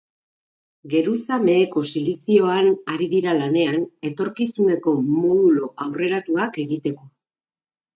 Geruza meheko silizioan ari dira lanean etorkizuneko modulo aurreratuak egiteko.